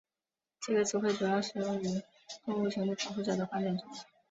这个词汇主要使用于动物权利保护者的观点中。